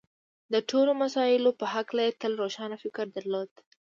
د ټولو مسألو په هکله یې تل روښانه فکر درلود